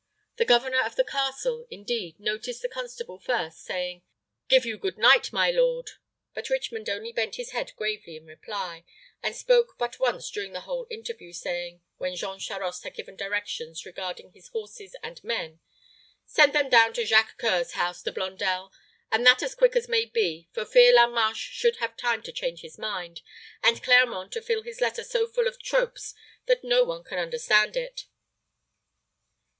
The governor of the castle, indeed, noticed the constable first, saying, "Give you good night, my lord;" but Richmond only bent his head gravely in reply, and spoke but once during the whole interview, saying, when Jean Charost had given directions regarding his horses and men, "Send them down to Jacques C[oe]ur's house, De Blondel, and that as quick as may be, for fear La Marche should have time to change his mind, and Clermont to fill his letter so full of tropes that no one can understand it."